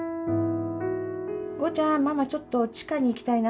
「豪ちゃんママちょっと地下に行きたいな」